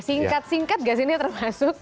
singkat singkat gak sih ini termasuk